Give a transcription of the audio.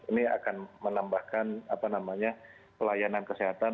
ini akan menambahkan apa namanya pelayanan kesehatan